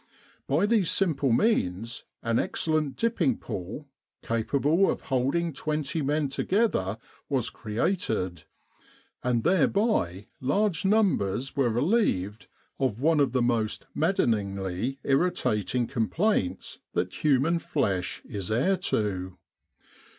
By these simple means an excellent dipping pool, capable of holding twenty men together, was created; and thereby large numbers were relieved of one of the most maddeningly irritating complaints that human flesh is heir to.